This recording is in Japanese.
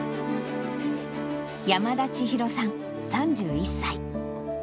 山田千紘さん３１歳。